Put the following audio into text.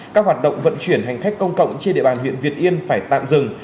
các hoạt động vận chuyển hành khách công cộng trên địa bàn huyện việt yên phải tạm dừng